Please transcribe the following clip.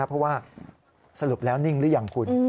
เพราะว่าสรุปแล้วนิ่งหรือยังคุณ